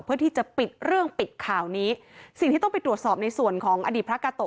เพื่อที่จะปิดเรื่องปิดข่าวนี้สิ่งที่ต้องไปตรวจสอบในส่วนของอดีตพระกาโตะ